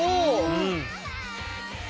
うん。